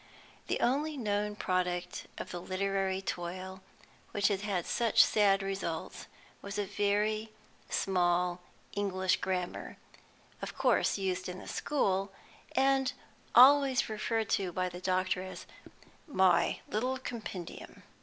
The only known product of the literary toil which had had such sad results was a very small English Grammar, of course used in the school, and always referred to by the doctor as "my little compendium."